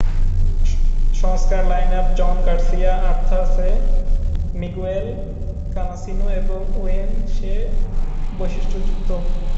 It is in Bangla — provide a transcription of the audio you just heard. সংস্কার line up John Garcia, Arthur সে, মিগুয়েল কানসিনো এবং ওয়েন সে বৈশিষ্ট্যযুক্ত।